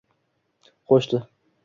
Qo‘shdi.